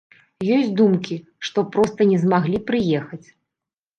Ёсць думкі, што проста не змаглі прыехаць.